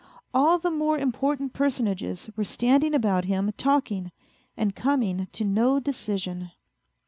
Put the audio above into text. All the more important personages were standing about him talking, and coming to no decision.